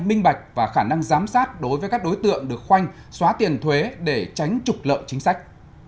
minh bạch và khả năng giám sát đối với các đối tượng được khoanh xóa tiền thuế để tránh trục lợi chính sách